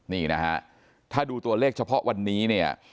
นี่นะฮะถ้าดูตัวเลขเฉพาะวันนี้เนี่ย